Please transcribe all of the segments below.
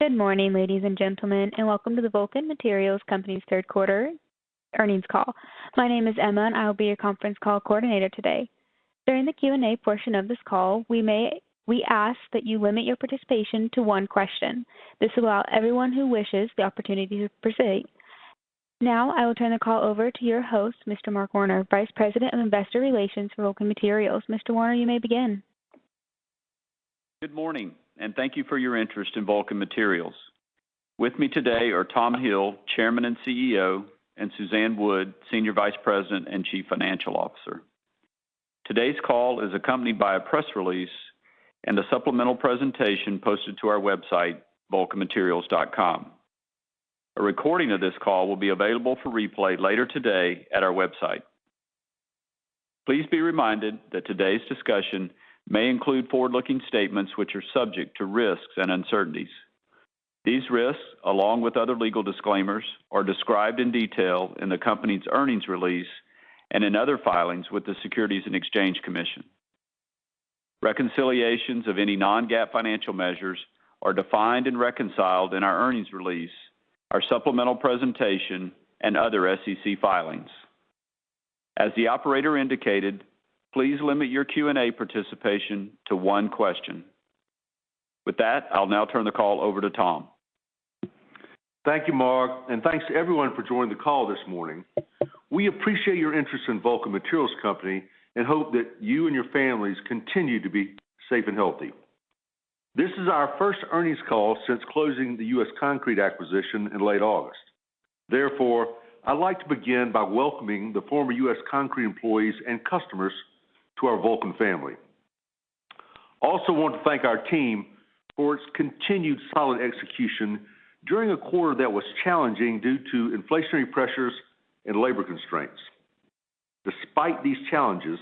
Good morning, ladies and gentlemen, and welcome to the Vulcan Materials Company's Q3 earnings call. My name is Emma, and I will be your conference call coordinator today. During the Q&A portion of this call, we ask that you limit your participation to one question. This will allow everyone who wishes the opportunity to proceed. Now I will turn the call over to your host, Mr. Mark Warren, Vice President of Investor Relations for Vulcan Materials. Mr. Warren, you may begin. Good morning, and thank you for your interest in Vulcan Materials. With me today are Tom Hill, Chairman and CEO, and Suzanne Wood, Senior Vice President and Chief Financial Officer. Today's call is accompanied by a press release and a supplemental presentation posted to our website, vulcanmaterials.com. A recording of this call will be available for replay later today at our website. Please be reminded that today's discussion may include forward-looking statements which are subject to risks and uncertainties. These risks, along with other legal disclaimers, are described in detail in the company's earnings release and in other filings with the Securities and Exchange Commission. Reconciliations of any non-GAAP financial measures are defined and reconciled in our earnings release, our supplemental presentation, and other SEC filings. As the operator indicated, please limit your Q&A participation to one question. With that, I'll now turn the call over to Tom. Thank you, Mark, and thanks to everyone for joining the call this morning. We appreciate your interest in Vulcan Materials Company and hope that you and your families continue to be safe and healthy. This is our first earnings call since closing the U.S. Concrete acquisition in late August. Therefore, I'd like to begin by welcoming the former U.S. Concrete employees and customers to our Vulcan family. I also want to thank our team for its continued solid execution during a quarter that was challenging due to inflationary pressures and labor constraints. Despite these challenges,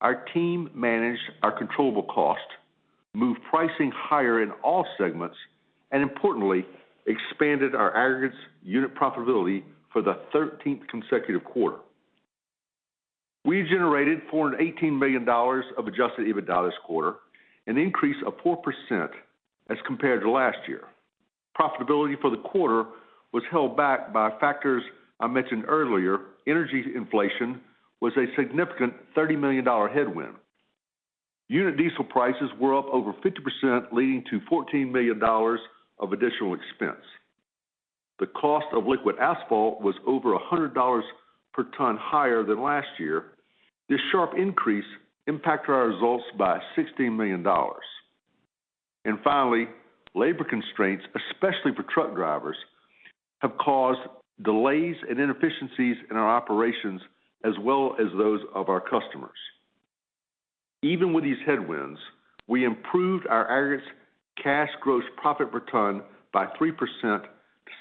our team managed our controllable cost, moved pricing higher in all segments, and importantly, expanded our aggregates unit profitability for the 13th consecutive quarter. We generated $418 million of adjusted EBITDA this quarter, an increase of 4% as compared to last year. Profitability for the quarter was held back by factors I mentioned earlier. Energy inflation was a significant $30 million headwind. Unit diesel prices were up over 50%, leading to $14 million of additional expense. The cost of liquid asphalt was over $100 per ton higher than last year. This sharp increase impacted our results by $16 million. Finally, labor constraints, especially for truck drivers, have caused delays and inefficiencies in our operations as well as those of our customers. Even with these headwinds, we improved our aggregates cash gross profit per ton by 3% to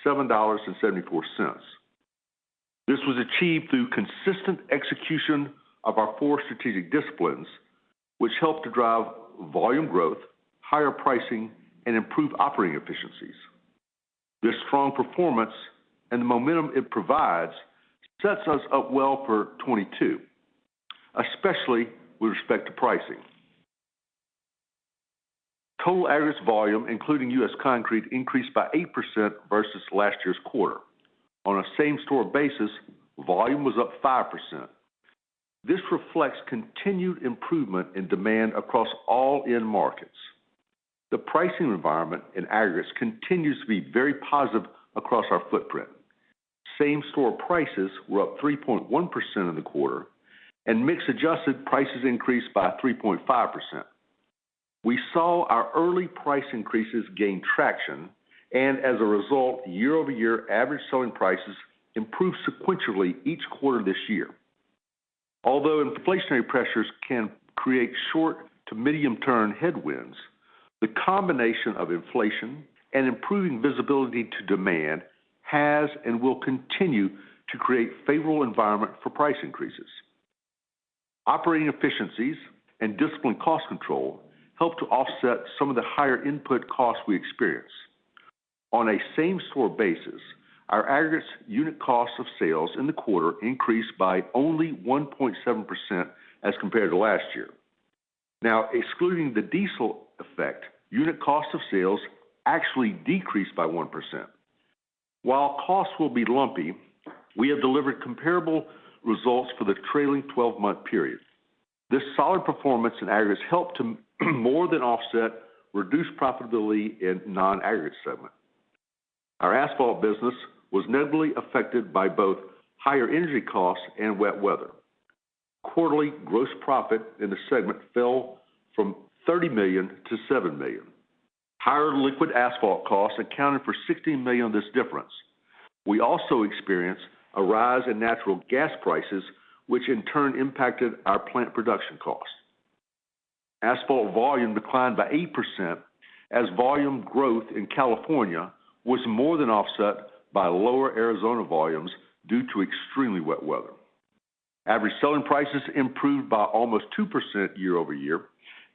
$7.74. This was achieved through consistent execution of our four strategic disciplines, which helped to drive volume growth, higher pricing, and improve operating efficiencies. This strong performance and the momentum it provides sets us up well for 2022, especially with respect to pricing. Total aggregates volume, including U.S. Concrete, increased by 8% versus last year's quarter. On a same-store basis, volume was up 5%. This reflects continued improvement in demand across all end markets. The pricing environment in aggregates continues to be very positive across our footprint. Same-store prices were up 3.1% in the quarter, and mix-adjusted prices increased by 3.5%. We saw our early price increases gain traction, and as a result, year-over-year average selling prices improved sequentially each quarter this year. Although inflationary pressures can create short- to medium-term headwinds, the combination of inflation and improving visibility to demand has and will continue to create favorable environment for price increases. Operating efficiencies and disciplined cost control helped to offset some of the higher input costs we experienced. On a same-store basis, our aggregates unit cost of sales in the quarter increased by only 1.7% as compared to last year. Now, excluding the diesel effect, unit cost of sales actually decreased by 1%. While costs will be lumpy, we have delivered comparable results for the trailing 12-month period. This solid performance in aggregates helped to more than offset reduced profitability in non-aggregate segment. Our asphalt business was negatively affected by both higher energy costs and wet weather. Quarterly gross profit in the segment fell from $30 million-$7 million. Higher liquid asphalt costs accounted for $16 million of this difference. We also experienced a rise in natural gas prices, which in turn impacted our plant production costs. Asphalt volume declined by 8% as volume growth in California was more than offset by lower Arizona volumes due to extremely wet weather. Average selling prices improved by almost 2% year-over-year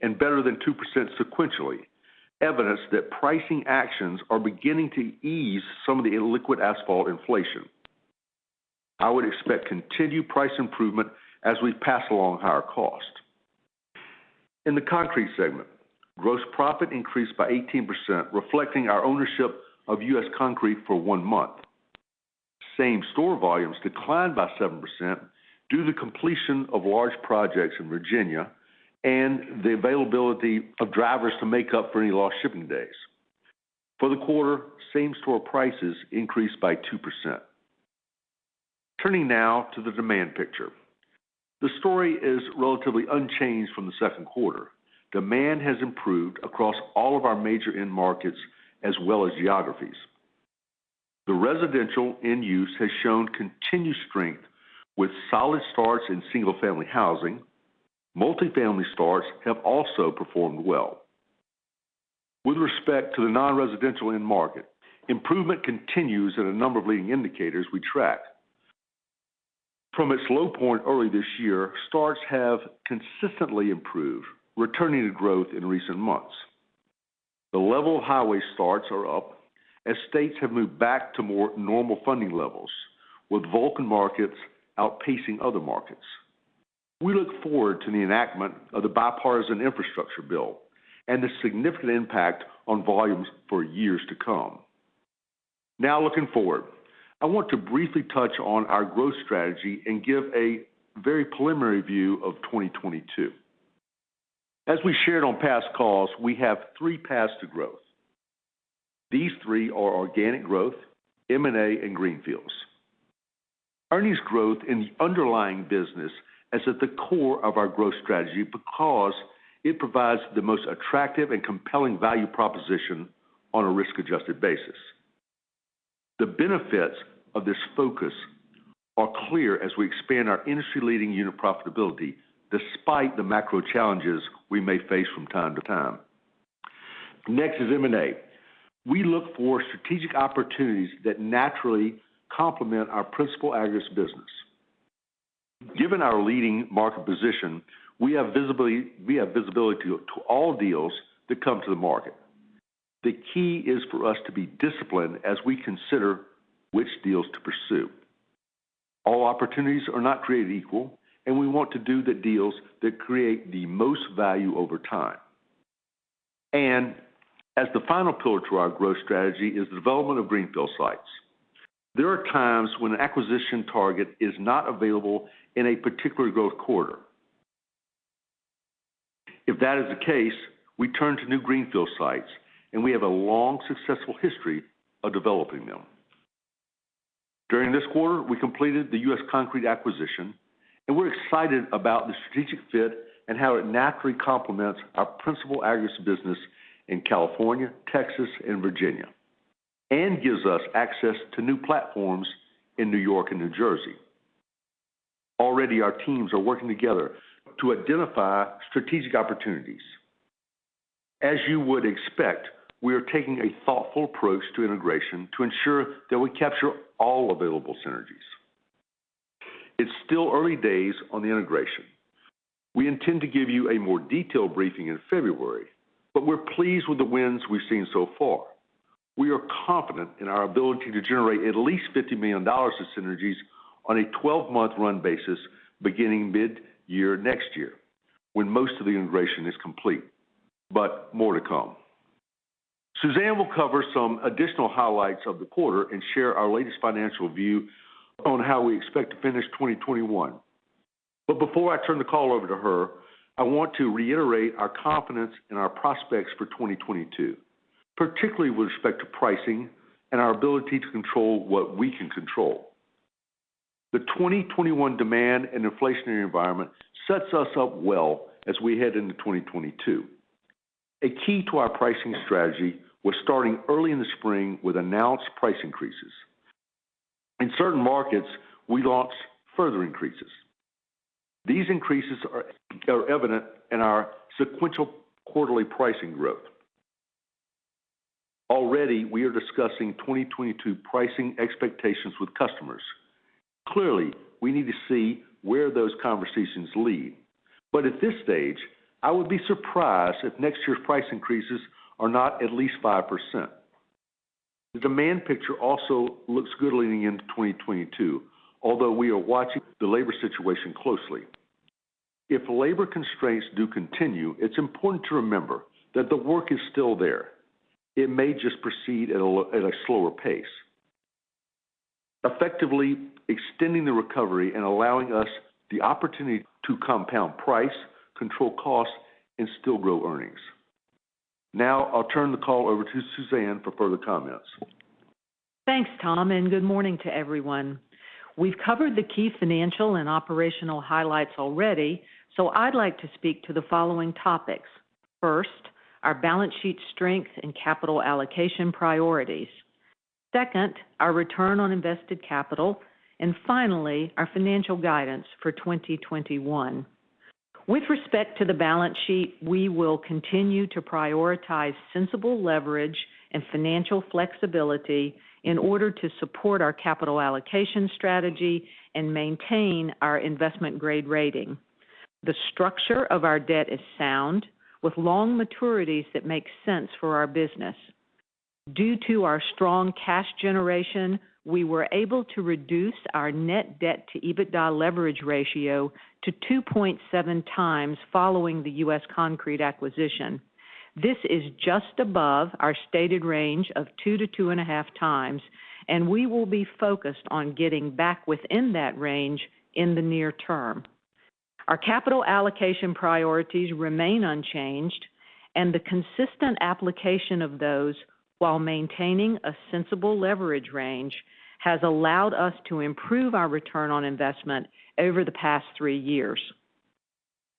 and better than 2% sequentially, evidence that pricing actions are beginning to ease some of the liquid asphalt inflation. I would expect continued price improvement as we pass along higher cost. In the concrete segment, gross profit increased by 18%, reflecting our ownership of U.S. Concrete for 1 month. Same-store volumes declined by 7% due to the completion of large projects in Virginia and the availability of drivers to make up for any lost shipping days. For the quarter, same-store prices increased by 2%. Turning now to the demand picture. The story is relatively unchanged from the Q2. Demand has improved across all of our major end markets as well as geographies. The residential end use has shown continued strength with solid starts in single-family housing. Multifamily starts have also performed well. With respect to the non-residential end market, improvement continues in a number of leading indicators we track. From its low point early this year, starts have consistently improved, returning to growth in recent months. The level of highway starts are up as states have moved back to more normal funding levels, with Vulcan markets outpacing other markets. We look forward to the enactment of the bipartisan infrastructure bill and the significant impact on volumes for years to come. Now looking forward, I want to briefly touch on our growth strategy and give a very preliminary view of 2022. As we shared on past calls, we have three paths to growth. These three are organic growth, M&A, and greenfields. Earnings growth in the underlying business is at the core of our growth strategy because it provides the most attractive and compelling value proposition on a risk-adjusted basis. The benefits of this focus are clear as we expand our industry-leading unit profitability despite the macro challenges we may face from time to time. Next is M&A. We look for strategic opportunities that naturally complement our principal aggregates business. Given our leading market position, we have visibility to all deals that come to the market. The key is for us to be disciplined as we consider which deals to pursue. All opportunities are not created equal, and we want to do the deals that create the most value over time. As the final pillar to our growth strategy is the development of greenfield sites. There are times when an acquisition target is not available in a particular growth quarter. If that is the case, we turn to new greenfield sites, and we have a long, successful history of developing them. During this quarter, we completed the U.S. Concrete acquisition, and we're excited about the strategic fit and how it naturally complements our principal aggregates business in California, Texas, and Virginia, and gives us access to new platforms in New York and New Jersey. Already our teams are working together to identify strategic opportunities. As you would expect, we are taking a thoughtful approach to integration to ensure that we capture all available synergies. It's still early days on the integration. We intend to give you a more detailed briefing in February, but we're pleased with the wins we've seen so far. We are confident in our ability to generate at least $50 million of synergies on a 12-month run basis beginning mid-year next year, when most of the integration is complete, but more to come. Suzanne will cover some additional highlights of the quarter and share our latest financial view on how we expect to finish 2021. Before I turn the call over to her, I want to reiterate our confidence in our prospects for 2022, particularly with respect to pricing and our ability to control what we can control. The 2021 demand and inflationary environment sets us up well as we head into 2022. A key to our pricing strategy was starting early in the spring with announced price increases. In certain markets, we launched further increases. These increases are evident in our sequential quarterly pricing growth. Already, we are discussing 2022 pricing expectations with customers. Clearly, we need to see where those conversations lead. At this stage, I would be surprised if next year's price increases are not at least 5%. The demand picture also looks good leading into 2022, although we are watching the labor situation closely. If labor constraints do continue, it's important to remember that the work is still there. It may just proceed at a slower pace, effectively extending the recovery and allowing us the opportunity to compound price, control costs, and still grow earnings. Now I'll turn the call over to Suzanne for further comments. Thanks, Tom, and good morning to everyone. We've covered the key financial and operational highlights already, so I'd like to speak to the following topics. First, our balance sheet strength and capital allocation priorities. Second, our return on invested capital. And finally, our financial guidance for 2021. With respect to the balance sheet, we will continue to prioritize sensible leverage and financial flexibility in order to support our capital allocation strategy and maintain our investment-grade rating. The structure of our debt is sound, with long maturities that make sense for our business. Due to our strong cash generation, we were able to reduce our net debt to EBITDA leverage ratio to 2.7 times following the U.S. Concrete acquisition. This is just above our stated range of 2-2.5 times, and we will be focused on getting back within that range in the near term. Our capital allocation priorities remain unchanged, and the consistent application of those while maintaining a sensible leverage range has allowed us to improve our return on investment over the past three years.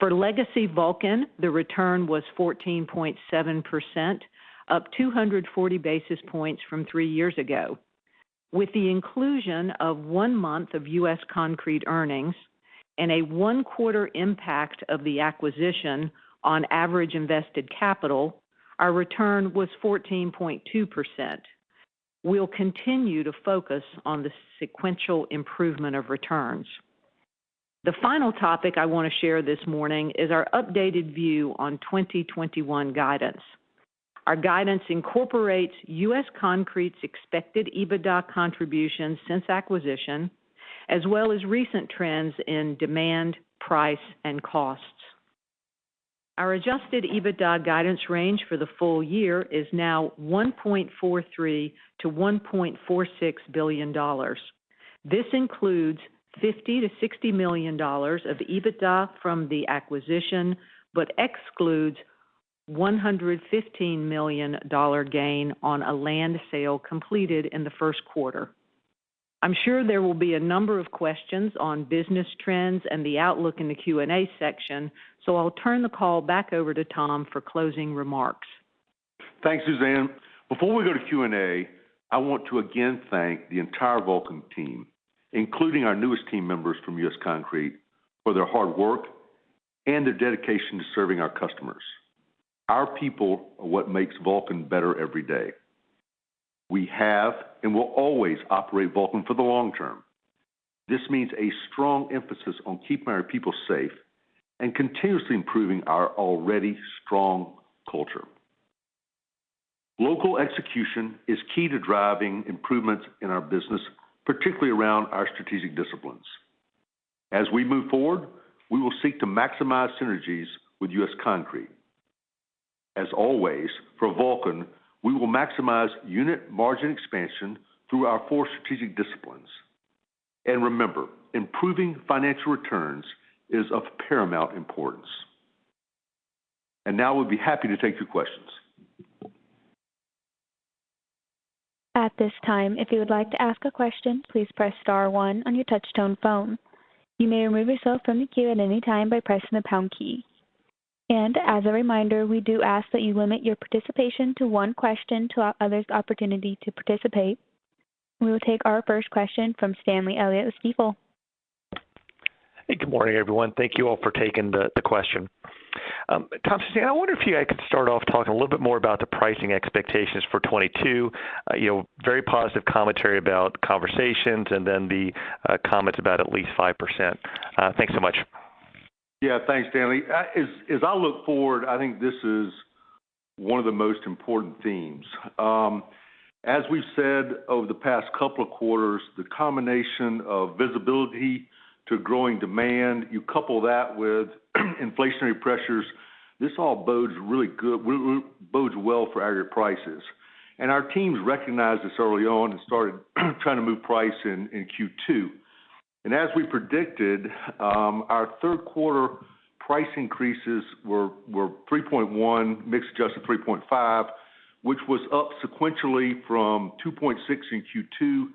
For legacy Vulcan, the return was 14.7%, up 240 basis points from three years ago. With the inclusion of one month of U.S. Concrete earnings and a one-quarter impact of the acquisition on average invested capital, our return was 14.2%. We'll continue to focus on the sequential improvement of returns. The final topic I wanna share this morning is our updated view on 2021 guidance. Our guidance incorporates U.S. Concrete's expected EBITDA contributions since acquisition, as well as recent trends in demand, price, and costs. Our adjusted EBITDA guidance range for the full year is now $1.43 billion-$1.46 billion. This includes $50 million-$60 million of EBITDA from the acquisition, but excludes $115 million gain on a land sale completed in the Q1. I'm sure there will be a number of questions on business trends and the outlook in the Q&A section, so I'll turn the call back over to Tom for closing remarks. Thanks, Suzanne. Before we go to Q&A, I want to again thank the entire Vulcan team, including our newest team members from U.S. Concrete, for their hard work and their dedication to serving our customers. Our people are what makes Vulcan better every day. We have and will always operate Vulcan for the long term. This means a strong emphasis on keeping our people safe and continuously improving our already strong culture. Local execution is key to driving improvements in our business, particularly around our strategic disciplines. As we move forward, we will seek to maximize synergies with U.S. Concrete. As always, for Vulcan, we will maximize unit margin expansion through our four strategic disciplines. Remember, improving financial returns is of paramount importance. Now we'll be happy to take your questions. At this time, if you would like to ask a question, please press star one on your touchtone phone. You may remove yourself from the queue at any time by pressing the pound key. As a reminder, we do ask that you limit your participation to one question to allow others opportunity to participate. We will take our first question from Stanley Elliott with Stifel. Hey, good morning, everyone. Thank you all for taking the question. Tom, Suzanne, I wonder if you could start off talking a little bit more about the pricing expectations for 2022. You know, very positive commentary about conversations and then the comments about at least 5%. Thanks so much. Yeah. Thanks, Stanley. As I look forward, I think this is one of the most important themes. As we've said over the past couple of quarters, the combination of visibility to growing demand, you couple that with inflationary pressures, this all bodes well for aggregate prices. Our teams recognized this early on and started trying to move price in Q2. As we predicted, our Q3 price increases were 3.1%, mix adjusted 3.5%, which was up sequentially from 2.6% in Q2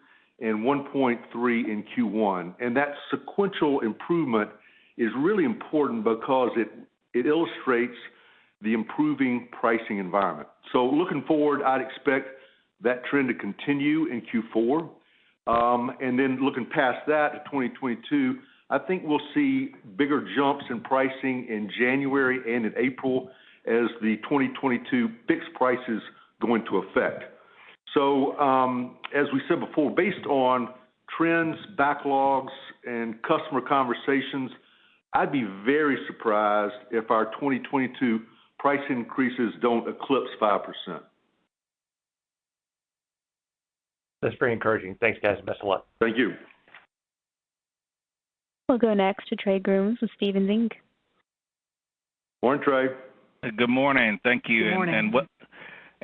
and 1.3% in Q1. That sequential improvement is really important because it illustrates the improving pricing environment. Looking forward, I'd expect that trend to continue in Q4. Looking past that at 2022, I think we'll see bigger jumps in pricing in January and in April as the 2022 fixed prices go into effect. As we said before, based on trends, backlogs, and customer conversations, I'd be very surprised if our 2022 price increases don't eclipse 5%. That's very encouraging. Thanks, guys. Best of luck. Thank you. We'll go next to Trey Grooms with Stephens Inc. Morning, Trey. Good morning. Thank you. Good morning.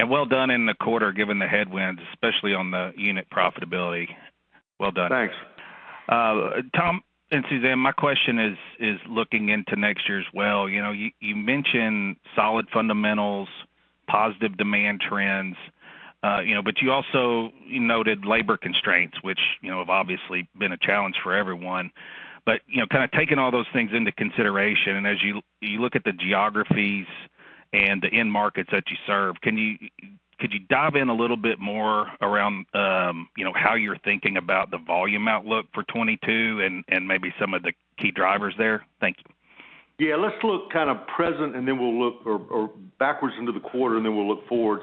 Well done in the quarter, given the headwinds, especially on the unit profitability. Well done. Thanks. Tom and Suzanne, my question is looking into next year as well. You know, you mentioned solid fundamentals, positive demand trends, you know, but you also noted labor constraints, which, you know, have obviously been a challenge for everyone. You know, kinda taking all those things into consideration, and as you look at the geographies and the end markets that you serve, could you dive in a little bit more around, you know, how you're thinking about the volume outlook for 2022 and maybe some of the key drivers there? Thank you. Yeah. Let's look at the present, and then we'll look or backwards into the quarter, and then we'll look forward.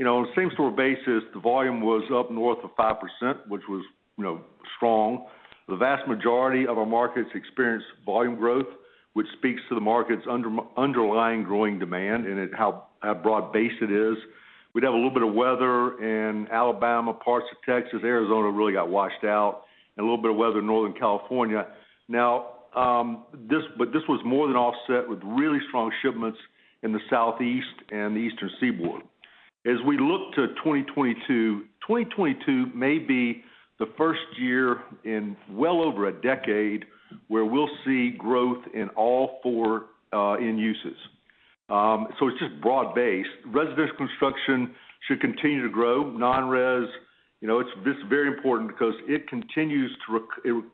You know, on a same-store basis, the volume was up north of 5%, which was, you know, strong. The vast majority of our markets experienced volume growth, which speaks to the market's underlying, growing demand and how broad-based it is. We had a little bit of weather in Alabama, parts of Texas, Arizona really got washed out, and a little bit of weather in Northern California. Now, but this was more than offset with really strong shipments in the Southeast and the Eastern Seaboard. As we look to 2022 may be the first year in well over a decade where we'll see growth in all four end uses. It's just broad-based. Residential construction should continue to grow. Non-res, you know, this is very important because it continued to come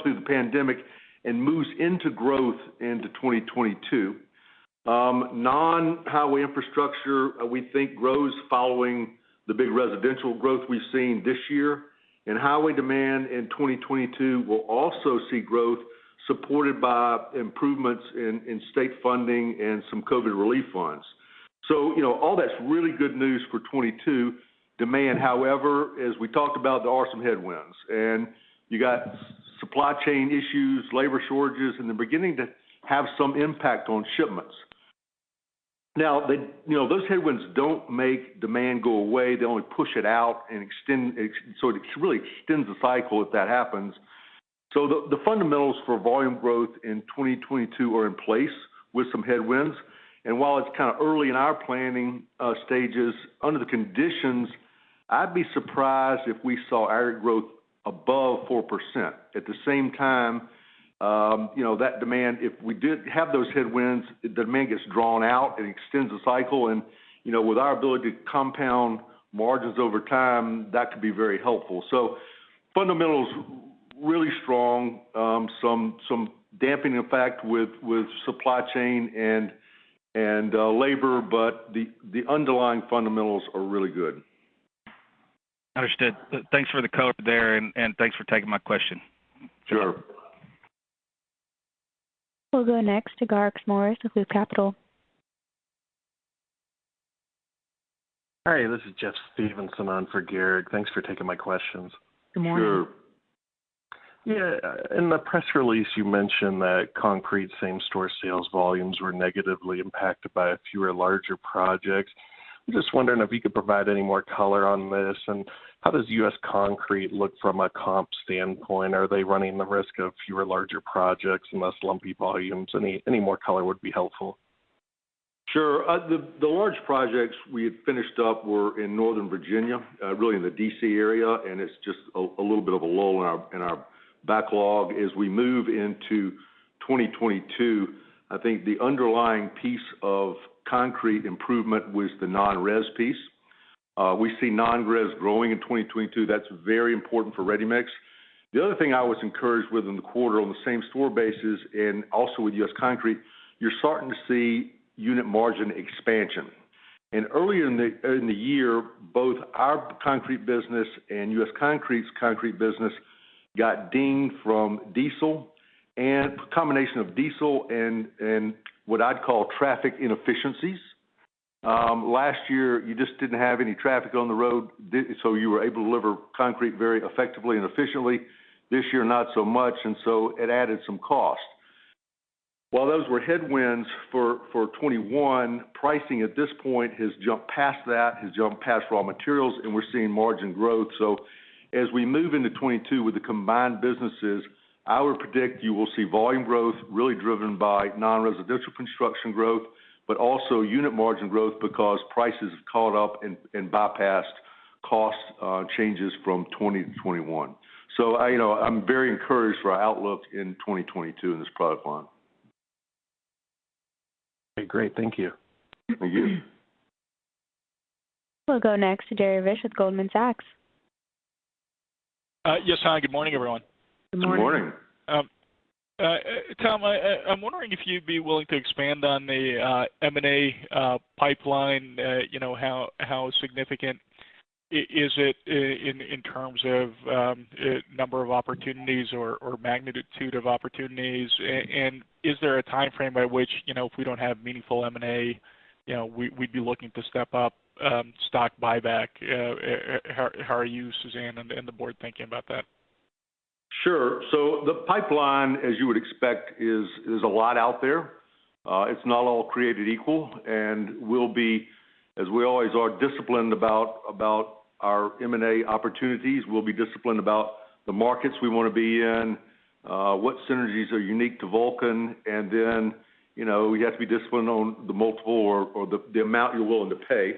through the pandemic and moves into growth into 2022. Non-highway infrastructure, we think, grows following the big residential growth we've seen this year. Highway demand in 2022 will also see growth supported by improvements in state funding and some COVID relief funds. You know, all that's really good news for 2022. Demand, however, as we talked about, there are some headwinds. You got supply chain issues, labor shortages, and they're beginning to have some impact on shipments. Now, you know, those headwinds don't make demand go away. They only push it out and extend, so it really extends the cycle if that happens. The fundamentals for volume growth in 2022 are in place with some headwinds. While it's kind of early in our planning stages, under the conditions, I'd be surprised if we saw aggregate growth above 4%. At the same time, you know, that demand, if we did have those headwinds, demand gets drawn out and extends the cycle. You know, with our ability to compound margins over time, that could be very helpful. Fundamentals, really strong. Some damping effect with supply chain and labor, but the underlying fundamentals are really good. Understood. Thanks for the color there, and thanks for taking my question. Sure. We'll go next to Garik Shmois with Loop Capital. Hi, this is Jeff Stevenson on for Garik. Thanks for taking my questions. Sure. Yeah, in the press release, you mentioned that concrete same-store sales volumes were negatively impacted by fewer larger projects. I'm just wondering if you could provide any more color on this, and how does U.S. Concrete look from a comp standpoint? Are they running the risk of fewer larger projects and less lumpy volumes? Any more color would be helpful. Sure. The large projects we had finished up were in Northern Virginia, really in the D.C. area, and it's just a little bit of a lull in our backlog. As we move into 2022, I think the underlying piece of concrete improvement was the non-res piece. We see non-res growing in 2022. That's very important for Ready Mix. The other thing I was encouraged with in the quarter on the same store basis, and also with U.S. Concrete, you're starting to see unit margin expansion. Earlier in the year, both our concrete business and U.S. Concrete's concrete business got dinged from diesel and a combination of diesel and what I'd call traffic inefficiencies. Last year, you just didn't have any traffic on the road so you were able to deliver concrete very effectively and efficiently. This year, not so much, and so it added some cost. While those were headwinds for 2021, pricing at this point has jumped past that, has jumped past raw materials, and we're seeing margin growth. As we move into 2022 with the combined businesses, I would predict you will see volume growth really driven by non-residential construction growth, but also unit margin growth because prices have caught up and bypassed cost changes from 2020 to 2021. I, you know, I'm very encouraged for our outlook in 2022 in this product line. Okay, great. Thank you. Thank you. We'll go next to Jerry Revich with Goldman Sachs. Yes. Hi, good morning, everyone. Good morning. Tom, I'm wondering if you'd be willing to expand on the M&A pipeline, you know, how significant is it in terms of number of opportunities or magnitude of opportunities? And is there a timeframe by which, you know, if we don't have meaningful M&A, you know, we'd be looking to step up stock buyback? How are you, Suzanne, and the board thinking about that? Sure. The pipeline, as you would expect, is a lot out there. It's not all created equal, and we'll be, as we always are, disciplined about our M&A opportunities. We'll be disciplined about the markets we wanna be in, what synergies are unique to Vulcan. You know, we have to be disciplined on the multiple or the amount you're willing to pay.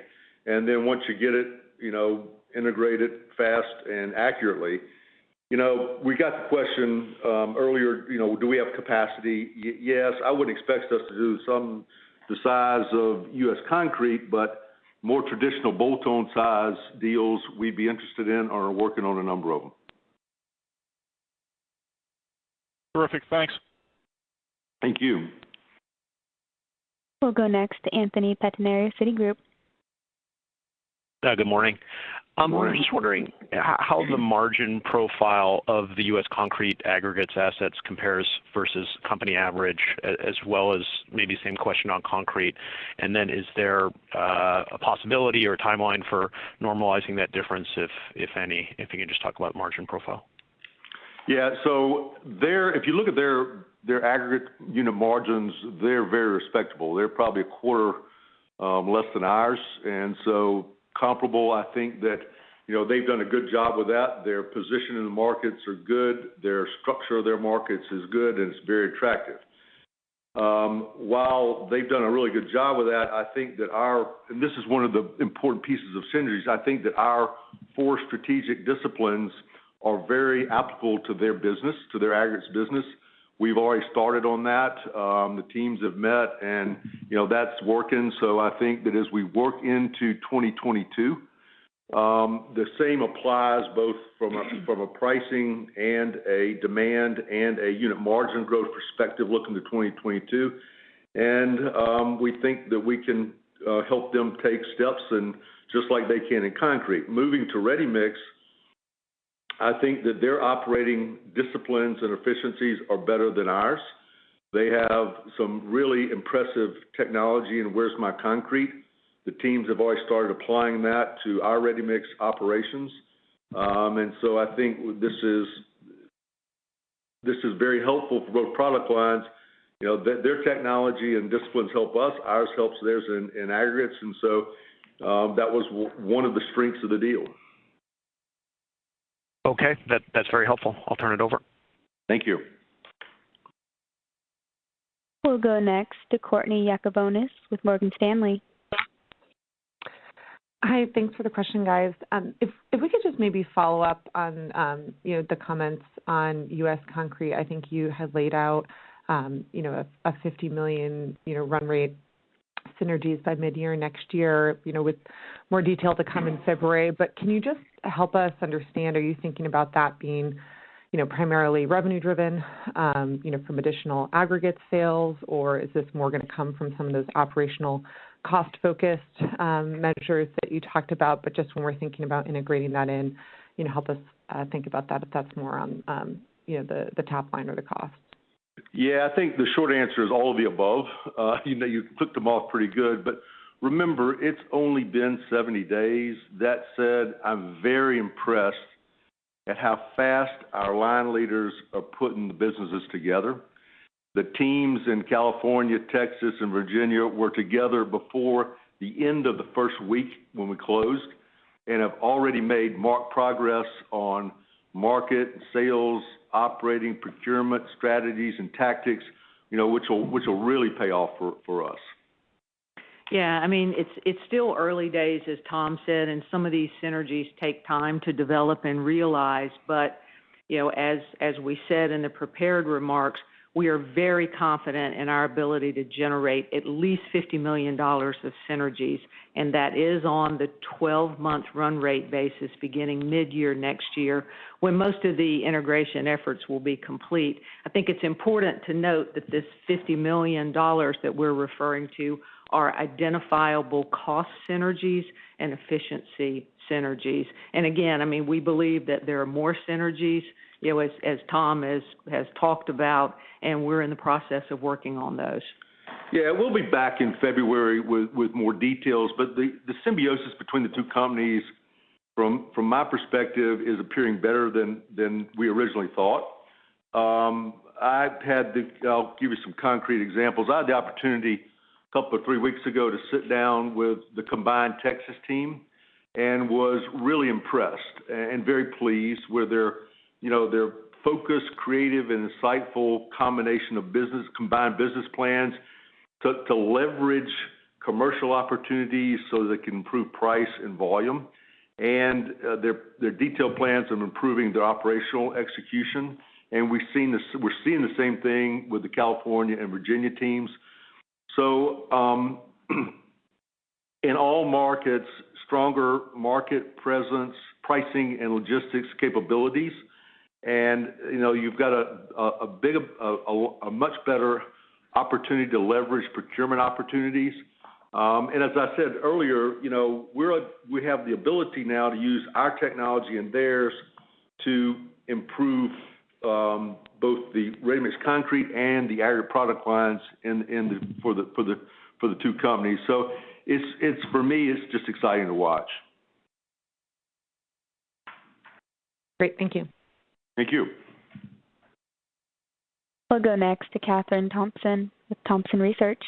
Once you get it, you know, integrate it fast and accurately. You know, we got the question earlier, you know, do we have capacity? Yes. I wouldn't expect us to do something the size of U.S. Concrete, but more traditional bolt-on size deals we'd be interested in, are working on a number of them. Terrific. Thanks. Thank you. We'll go next to Anthony Pettinari, Citigroup. Good morning. Good morning. I'm just wondering how the margin profile of the U.S. Concrete aggregates assets compares versus company average as well as maybe same question on concrete. Is there a possibility or timeline for normalizing that difference, if any? If you can just talk about margin profile. Yeah. If you look at their aggregate unit margins, they're very respectable. They're probably a quarter less than ours, and comparable. I think that, you know, they've done a good job with that. Their position in the markets are good. Their structure of their markets is good, and it's very attractive. While they've done a really good job with that, I think that our this is one of the important pieces of synergies, I think that our four strategic disciplines are very applicable to their business, to their aggregates business. We've already started on that. The teams have met, and, you know, that's working. I think that as we work into 2022, the same applies both from a pricing and a demand and a unit margin growth perspective looking to 2022. We think that we can help them take steps and just like they can in concrete. Moving to ready-mix, I think that their operating disciplines and efficiencies are better than ours. They have some really impressive technology in Where's My Concrete. The teams have already started applying that to our ready-mix operations. I think this is very helpful for both product lines. You know, their technology and disciplines help us, ours helps theirs in aggregates, and so that was one of the strengths of the deal. Okay. That's very helpful. I'll turn it over. Thank you. We'll go next to Courtney Yakavonis with Morgan Stanley. Hi. Thanks for the question, guys. If we could just maybe follow up on, you know, the comments on U.S. Concrete. I think you had laid out, you know, a $50 million run rate synergies by midyear next year, you know, with more detail to come in February. Can you just help us understand, are you thinking about that being, you know, primarily revenue driven, you know, from additional aggregate sales, or is this more gonna come from some of those operational cost-focused measures that you talked about? Just when we're thinking about integrating that in, you know, help us think about that, if that's more on, you know, the top line or the cost. Yeah. I think the short answer is all of the above. You know, you ticked them off pretty good. But remember, it's only been 70 days. That said, I'm very impressed at how fast our line leaders are putting the businesses together. The teams in California, Texas, and Virginia were together before the end of the first week when we closed and have already made marked progress on market, sales, operating, procurement, strategies, and tactics, you know, which will really pay off for us. Yeah. I mean, it's still early days, as Tom said, and some of these synergies take time to develop and realize. You know, as we said in the prepared remarks, we are very confident in our ability to generate at least $50 million of synergies, and that is on the 12-month run rate basis beginning midyear next year, when most of the integration efforts will be complete. I think it's important to note that this $50 million that we're referring to are identifiable cost synergies and efficiency synergies. Again, I mean, we believe that there are more synergies, you know, as Tom has talked about, and we're in the process of working on those. Yeah. We'll be back in February with more details, but the symbiosis between the two companies from my perspective is appearing better than we originally thought. I'll give you some concrete examples. I had the opportunity a couple or three weeks ago to sit down with the combined Texas team and was really impressed and very pleased with their, you know, their focused, creative, and insightful combination of business, combined business plans to leverage commercial opportunities so they can improve price and volume and their detailed plans of improving their operational execution. We're seeing the same thing with the California and Virginia teams. In all markets, stronger market presence, pricing, and logistics capabilities. You know, you've got a big, a much better opportunity to leverage procurement opportunities. As I said earlier, you know, we have the ability now to use our technology and theirs to improve both the ready-mix concrete and the aggregate product lines for the two companies. It's for me, it's just exciting to watch. Great. Thank you. Thank you. We'll go next to Kathryn Thompson with Thompson Research.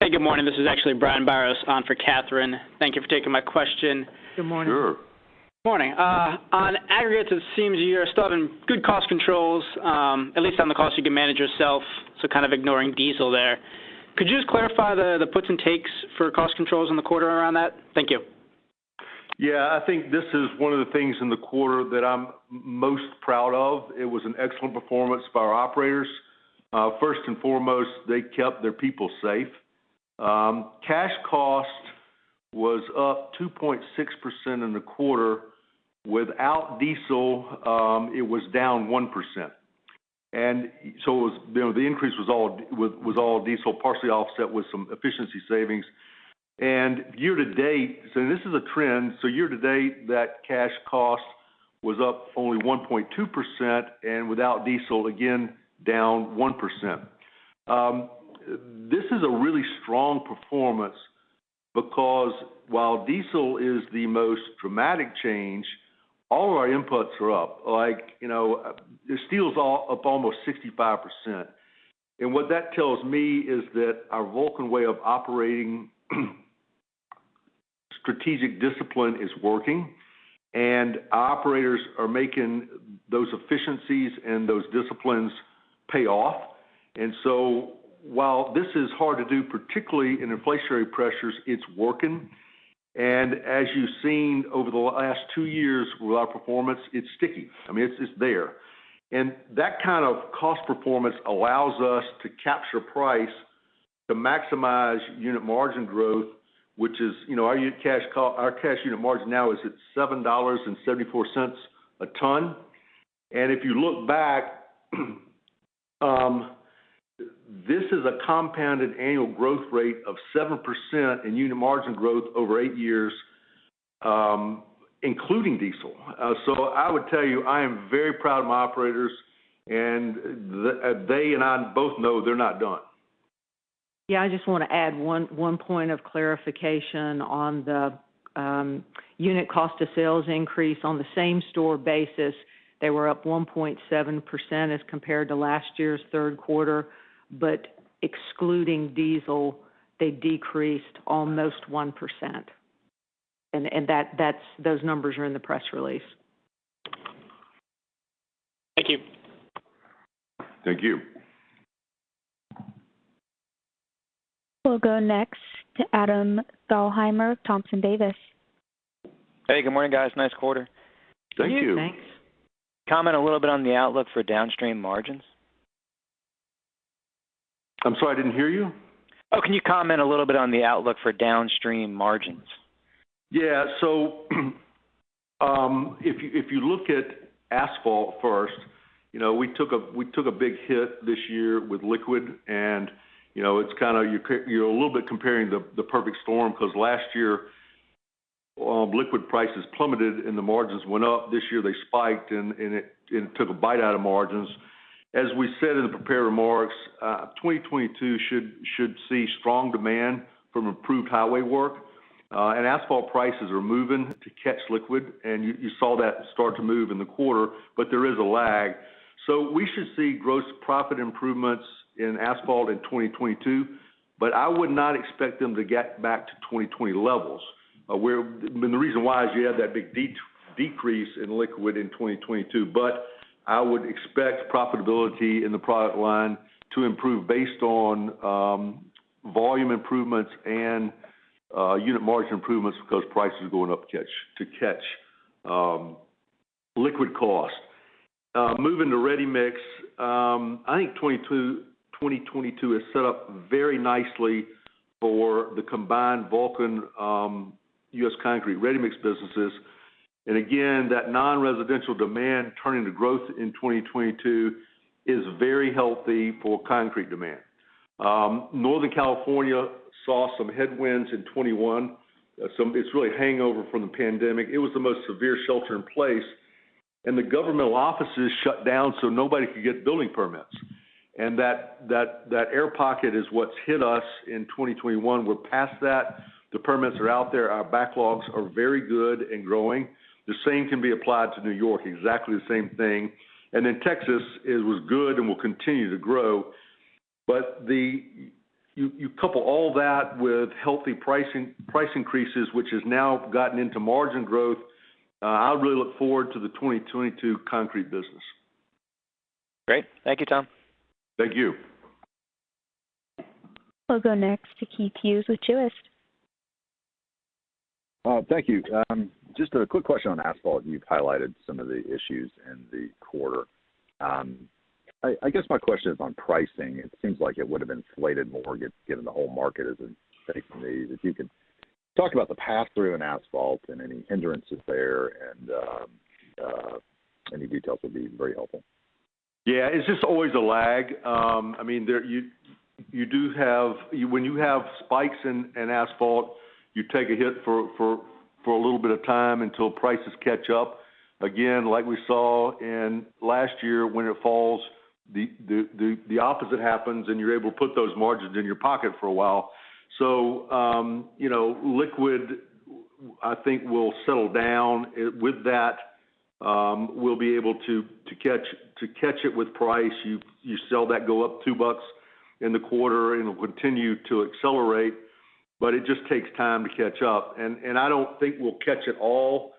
Hey, good morning. This is actually Brian Biros on for Kathryn. Thank you for taking my question. Good morning. Sure. Morning. On aggregates, it seems you're still having good cost controls, at least on the costs you can manage yourself, so kind of ignoring diesel there. Could you just clarify the puts and takes for cost controls in the quarter around that? Thank you. Yeah. I think this is one of the things in the quarter that I'm most proud of. It was an excellent performance by our operators. First and foremost, they kept their people safe. Cash cost was up 2.6% in the quarter. Without diesel, it was down 1%. It was, you know, the increase was all diesel, partially offset with some efficiency savings. Year to date, this is a trend, that cash cost was up only 1.2%, and without diesel, again, down 1%. This is a really strong performance because while diesel is the most dramatic change, all of our inputs are up. The steel's also up almost 65%. What that tells me is that our Vulcan Way of Operating, strategic discipline is working, and our operators are making those efficiencies and those disciplines pay off. While this is hard to do, particularly in inflationary pressures, it's working. As you've seen over the last two years with our performance, it's sticky. I mean, it's there. That kind of cost performance allows us to capture price to maximize unit margin growth, which is, you know, our cash unit margin now is at $7.74 a ton. If you look back, this is a compounded annual growth rate of 7% in unit margin growth over 8 years, including diesel. I would tell you, I am very proud of my operators, and they and I both know they're not done. Yeah, I just wanna add one point of clarification on the unit cost of sales increase. On the same store basis, they were up 1.7% as compared to last year's Q3. Excluding diesel, they decreased almost 1%. That those numbers are in the press release. Thank you. Thank you. We'll go next to Adam Thalhimer of Thompson Davis. Hey, good morning, guys. Nice quarter. Thank you. Thanks. Comment a little bit on the outlook for downstream margins. I'm sorry, I didn't hear you. Oh, can you comment a little bit on the outlook for downstream margins? Yeah. If you look at asphalt first, you know, we took a big hit this year with liquid and, you know, it's kinda you're a little bit comparing the perfect storm, 'cause last year, liquid prices plummeted and the margins went up. This year, they spiked and it took a bite out of margins. As we said in the prepared remarks, 2022 should see strong demand from improved highway work. Asphalt prices are moving to catch liquid, and you saw that start to move in the quarter, but there is a lag. We should see gross profit improvements in asphalt in 2022, but I would not expect them to get back to 2020 levels. I mean, the reason why is you had that big decrease in liquid in 2022. I would expect profitability in the product line to improve based on volume improvements and unit margin improvements because prices are going up to catch liquid costs. Moving to ready-mix, I think 2022 is set up very nicely for the combined Vulcan U.S. Concrete ready-mix businesses. Again, that non-residential demand turning to growth in 2022 is very healthy for concrete demand. Northern California saw some headwinds in 2021. It's really hangover from the pandemic. It was the most severe shelter in place, and the governmental offices shut down, so nobody could get building permits. That air pocket is what's hit us in 2021. We're past that. The permits are out there. Our backlogs are very good and growing. The same can be applied to New York, exactly the same thing. Then Texas, it was good and will continue to grow. You couple all that with healthy pricing, price increases, which has now gotten into margin growth. I would really look forward to the 2022 concrete business. Great. Thank you, Tom. Thank you. We'll go next to Keith Hughes with Truist. Thank you. Just a quick question on asphalt. You've highlighted some of the issues in the quarter. I guess my question is on pricing. It seems like it would have inflated more given the whole market as it's taking these. If you could talk about the pass-through in asphalt and any endurance that's there, and any details would be very helpful. Yeah. It's just always a lag. I mean, you do have. When you have spikes in asphalt, you take a hit for a little bit of time until prices catch up. Again, like we saw in last year, winter falls, the opposite happens, and you're able to put those margins in your pocket for a while. You know, liquid, I think will settle down. With that, we'll be able to catch it with price. You sell that go up $2 in the quarter, and it'll continue to accelerate, but it just takes time to catch up. I don't think we'll catch it all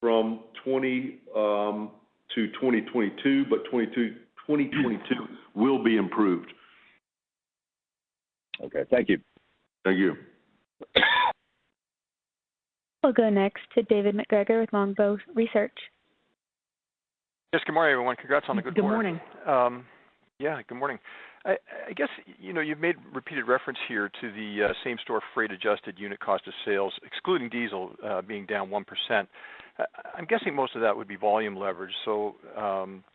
from 2020 to 2022, but 2022 will be improved. Okay. Thank you. Thank you. We'll go next to David MacGregor with Longbow Research. Yes. Good morning, everyone. Congrats on the good quarter. Good morning. Yeah, good morning. I guess, you know, you've made repeated reference here to the same-store freight adjusted unit cost of sales, excluding diesel, being down 1%. I'm guessing most of that would be volume leverage. So,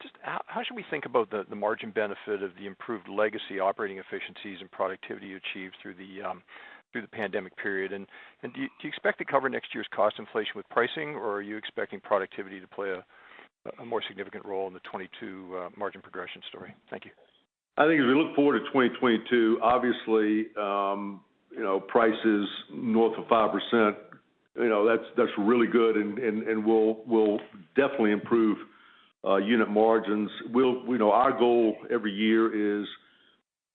just how should we think about the margin benefit of the improved legacy operating efficiencies and productivity achieved through the pandemic period? And do you expect to cover next year's cost inflation with pricing, or are you expecting productivity to play a more significant role in the 2022 margin progression story? Thank you. I think as we look forward to 2022, obviously, you know, prices north of 5%, you know, that's really good and will definitely improve unit margins. You know, our goal every year is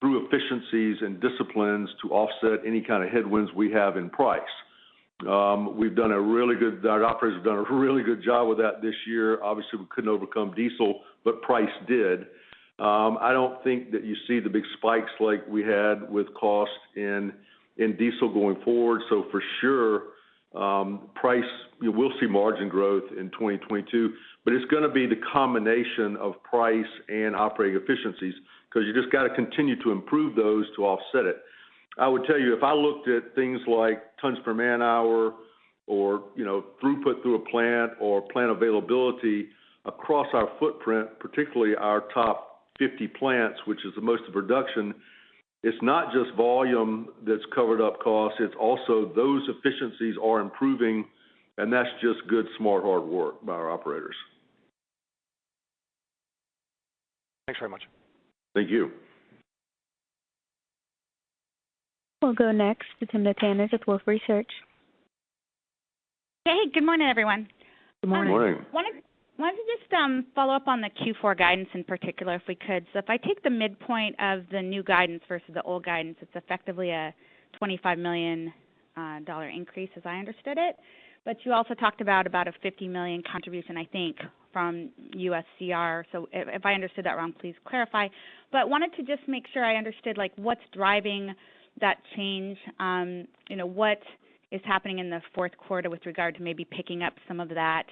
through efficiencies and disciplines to offset any kind of headwinds we have in price. Our operators have done a really good job with that this year. Obviously, we couldn't overcome diesel, but price did. I don't think that you see the big spikes like we had with costs in diesel going forward. For sure, price, you will see margin growth in 2022, but it's gonna be the combination of price and operating efficiencies because you just got to continue to improve those to offset it. I would tell you, if I looked at things like tons per man hour or, you know, throughput through a plant or plant availability across our footprint, particularly our top 50 plants, which is the most of production, it's not just volume that's covered up costs, it's also those efficiencies are improving, and that's just good, smart, hard work by our operators. Thanks very much. Thank you. We'll go next to Timna Tanners with Wolfe Research. Hey, good morning, everyone. Good morning. Good morning. Wanted to just follow up on the Q4 guidance in particular, if we could. If I take the midpoint of the new guidance versus the old guidance, it's effectively a $25 million increase as I understood it. You also talked about a $50 million contribution, I think, from USCR. If I understood that wrong, please clarify. Wanted to just make sure I understood, like, what's driving that change, you know, what is happening in the Q4 with regard to maybe picking up some of that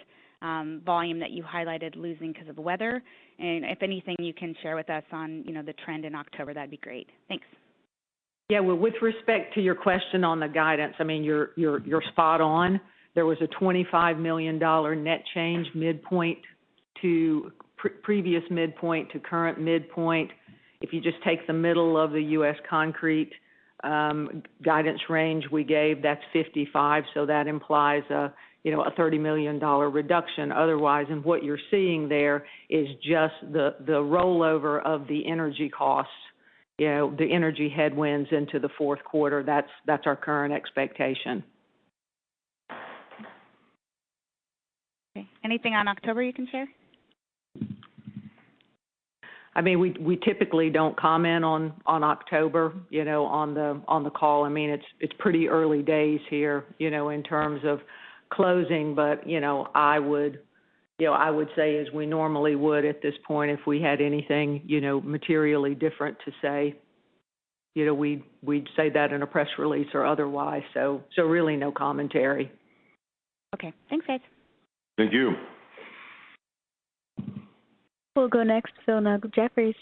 volume that you highlighted losing because of weather. If anything you can share with us on, you know, the trend in October, that'd be great. Thanks. Yeah, well, with respect to your question on the guidance, I mean, you're spot on. There was a $25 million net change midpoint to previous midpoint to current midpoint. If you just take the middle of the U.S. Concrete guidance range we gave, that's $55 million. So that implies a, you know, a $30 million reduction otherwise. What you're seeing there is just the rollover of the energy costs, you know, the energy headwinds into the Q4. That's our current expectation. Okay. Anything on October you can share? I mean, we typically don't comment on October, you know, on the call. I mean, it's pretty early days here, you know, in terms of closing. You know, I would say, as we normally would at this point, if we had anything, you know, materially different to say, you know, we'd say that in a press release or otherwise. Really no commentary. Okay. Thanks, guys. Thank you. We'll go next to Philip Ng with Jefferies.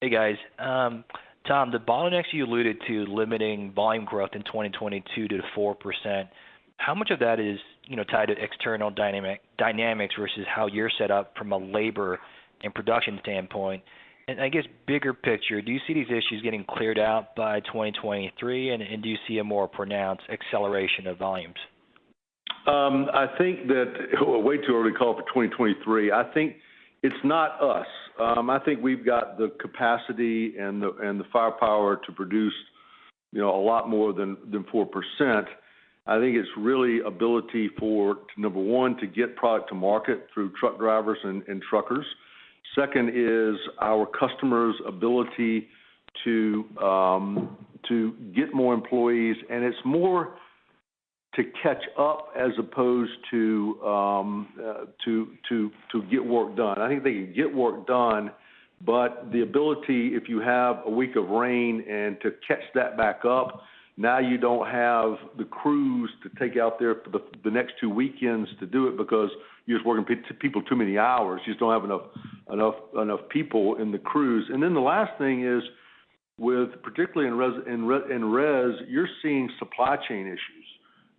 Hey, guys. Tom, the bottleneck you alluded to limiting volume growth in 2022 to 4%, how much of that is, you know, tied to external dynamics versus how you're set up from a labor and production standpoint? I guess, bigger picture, do you see these issues getting cleared out by 2023? Do you see a more pronounced acceleration of volumes? I think it's way too early to call it for 2023. I think it's not us. I think we've got the capacity and the firepower to produce, you know, a lot more than 4%. I think it's really the ability for, number one, to get product to market through truck drivers and truckers. Second is our customers' ability to get more employees, and it's more to catch up as opposed to to get work done. I think they can get work done, but the ability, if you have a week of rain to catch that back up, now you don't have the crews to take out there for the next two weekends to do it because you're working people too many hours. You just don't have enough people in the crews. The last thing is with, particularly in residential, you're seeing supply chain issues,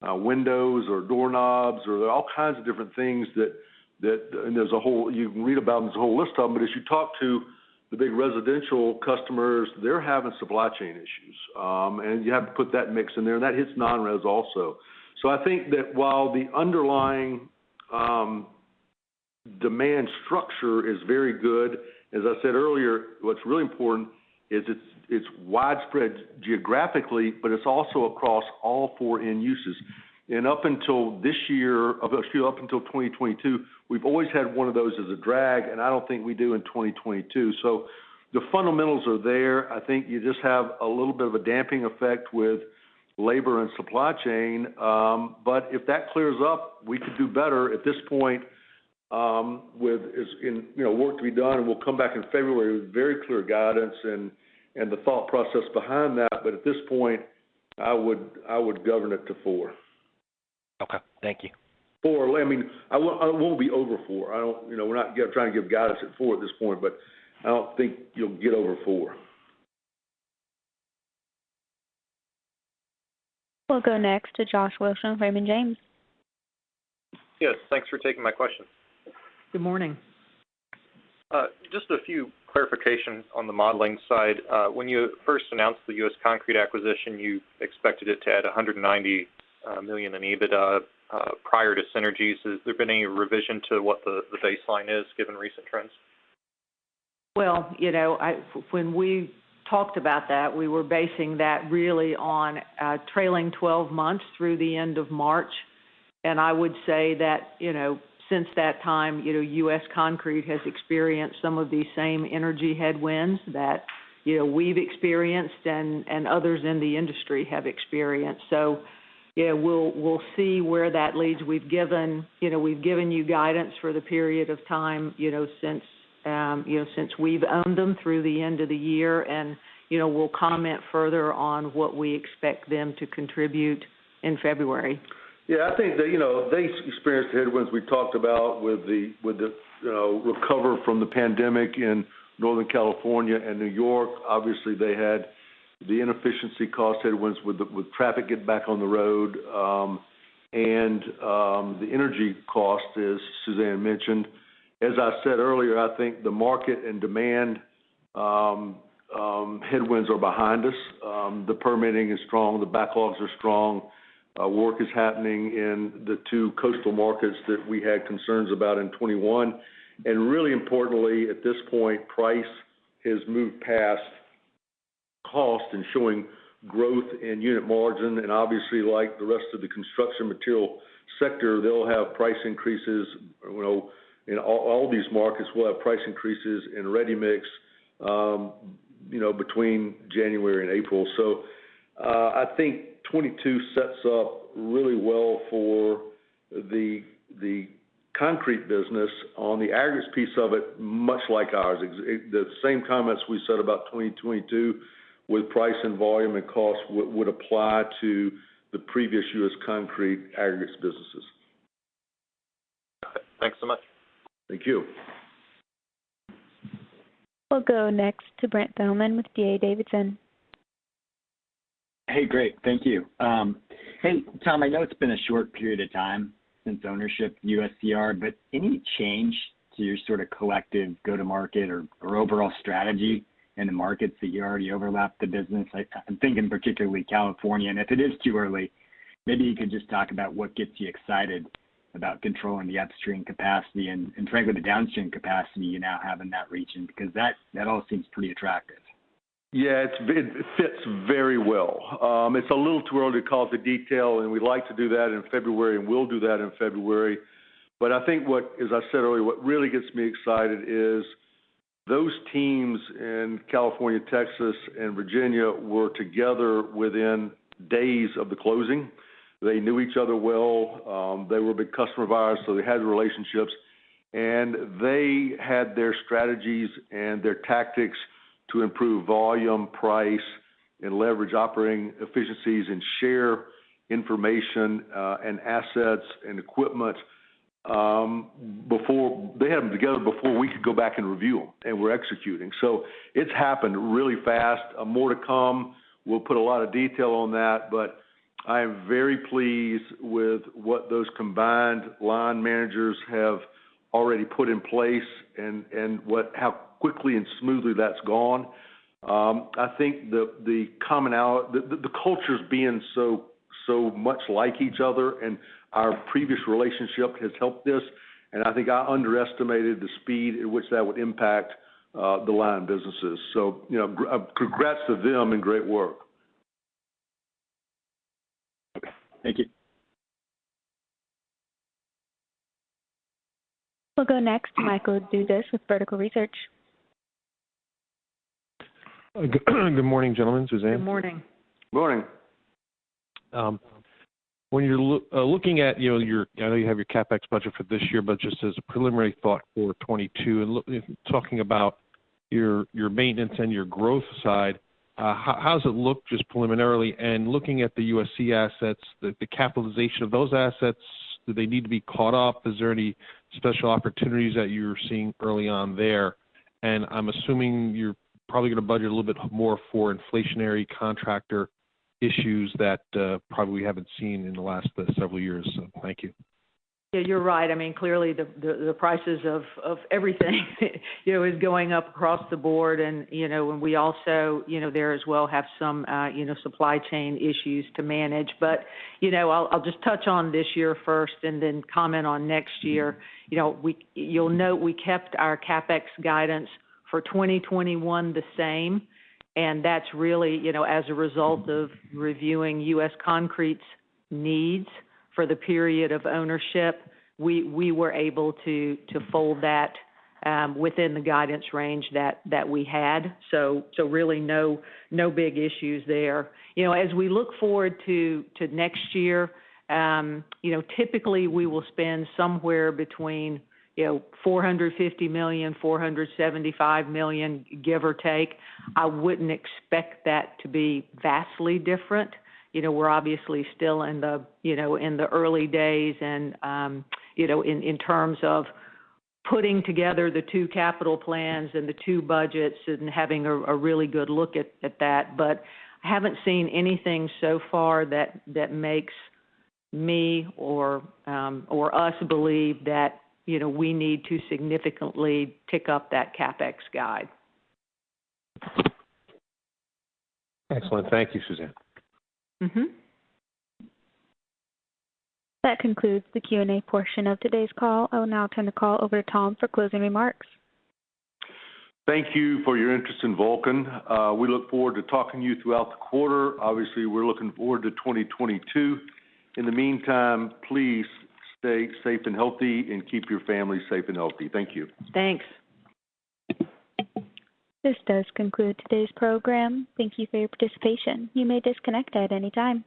windows or doorknobs, or all kinds of different things. You can read about this whole list of them, but as you talk to the big residential customers, they're having supply chain issues. You have to put that mix in there, and that hits non-res also. I think that while the underlying demand structure is very good, as I said earlier, what's really important is it's widespread geographically, but it's also across all four end uses. Up until this year, up until 2022, we've always had one of those as a drag, and I don't think we do in 2022. The fundamentals are there. I think you just have a little bit of a damping effect with labor and supply chain. If that clears up, we could do better at this point, with, as in, you know, work to be done, and we'll come back in February with very clear guidance and the thought process behind that. At this point, I would govern it to four. Okay. Thank you. 4. I mean, it won't be over 4. I don't, you know, we're not trying to give guidance at 4 at this point, but I don't think you'll get over 4. We'll go next to Joshua Wilson of Raymond James. Yes. Thanks for taking my question. Good morning. Just a few clarifications on the modeling side. When you first announced the U.S. Concrete acquisition, you expected it to add $190 million in EBITDA prior to synergies. Has there been any revision to what the baseline is given recent trends? Well, you know, when we talked about that, we were basing that really on trailing 12-months through the end of March. I would say that, you know, since that time, you know, U.S. Concrete has experienced some of the same energy headwinds that, you know, we've experienced and others in the industry have experienced. Yeah, we'll see where that leads. We've given you guidance for the period of time, you know, since we've owned them through the end of the year. You know, we'll comment further on what we expect them to contribute in February. Yeah. I think they you know experienced the headwinds we talked about with the you know recovery from the pandemic in Northern California and New York. Obviously, they had the inefficiency cost headwinds with traffic getting back on the road. The energy cost, as Suzanne mentioned. As I said earlier, I think the market and demand headwinds are behind us. The permitting is strong, the backlogs are strong. Work is happening in the two coastal markets that we had concerns about in 2021. Really importantly, at this point, price has moved past cost and showing growth in unit margin. Obviously like the rest of the construction material sector, they'll have price increases you know and all these markets will have price increases in ready-mix you know between January and April. I think 2022 sets up really well for the concrete business. On the aggregates piece of it, much like ours, except the same comments we said about 2022 with price and volume and cost would apply to the previous U.S. Concrete aggregates businesses. Okay. Thanks so much. Thank you. We'll go next to Brent Thielman with D.A. Davidson. Hey, great. Thank you. Hey, Tom, I know it's been a short period of time since ownership of USCR, but any change to your sort of collective go-to-market or overall strategy in the markets that you already overlapped the business? I'm thinking particularly California. If it is too early, maybe you could just talk about what gets you excited about controlling the upstream capacity and frankly the downstream capacity you now have in that region, because that all seems pretty attractive. Yeah, it's been. It fits very well. It's a little too early to call out details, and we'd like to do that in February, and we'll do that in February. I think, as I said earlier, what really gets me excited is those teams in California, Texas, and Virginia were together within days of the closing. They knew each other well. They were a big customer of ours, so they had relationships. They had their strategies and their tactics to improve volume, price, and leverage operating efficiencies and share information, and assets and equipment. They had them together before we could go back and review them, and we're executing. It's happened really fast. More to come. We'll put a lot of detail on that, but I am very pleased with what those combined line managers have already put in place and how quickly and smoothly that's gone. I think the commonalities, the cultures being so much like each other and our previous relationship has helped this. I think I underestimated the speed at which that would impact the line businesses. You know, congrats to them and great work. Okay. Thank you. We'll go next to Michael Dudas with Vertical Research. Good morning, gentlemen, Suzanne. Good morning. Morning. When you're looking at, you know, your, I know you have your CapEx budget for this year, but just as a preliminary thought for 2022 and talking about your maintenance and your growth side, how does it look just preliminarily? Looking at the U.S. Concrete assets, the capitalization of those assets, do they need to be caught up? Is there any special opportunities that you're seeing early on there? I'm assuming you're probably gonna budget a little bit more for inflationary contractor issues that probably we haven't seen in the last several years. Thank you. Yeah, you're right. I mean, clearly the prices of everything, you know, is going up across the board. You know, we also have some supply chain issues to manage there as well. You know, I'll just touch on this year first and then comment on next year. You know, you'll note we kept our CapEx guidance for 2021 the same, and that's really, you know, as a result of reviewing U.S. Concrete's needs for the period of ownership. We were able to fold that within the guidance range that we had. Really no big issues there. You know, as we look forward to next year, you know, typically we will spend somewhere between $450 million-$475 million, give or take. I wouldn't expect that to be vastly different. You know, we're obviously still in the early days and, you know, in terms of putting together the two capital plans and the two budgets and having a really good look at that. But I haven't seen anything so far that makes me or us believe that, you know, we need to significantly tick up that CapEx guide. Excellent. Thank you, Suzanne. Mm-hmm. That concludes the Q&A portion of today's call. I will now turn the call over to Tom for closing remarks. Thank you for your interest in Vulcan. We look forward to talking to you throughout the quarter. Obviously, we're looking forward to 2022. In the meantime, please stay safe and healthy, and keep your family safe and healthy. Thank you. Thanks. This does conclude today's program. Thank you for your participation. You may disconnect at any time.